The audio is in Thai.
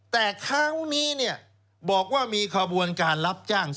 แต่คราวนี้บอกว่ามีขบวนการรับจ้าง